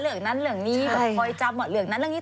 เหลือกนั้นเหลือกนี้